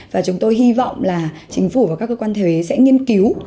và chúng tôi hy vọng là chính phủ và các cơ quan thuế sẽ nghiên cứu